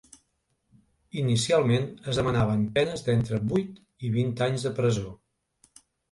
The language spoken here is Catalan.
Inicialment es demanaven penes d’entre vuit i vint anys de presó.